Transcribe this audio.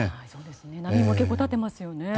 波も結構立ってますよね。